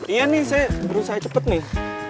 iya nih saya berusaha cepat nih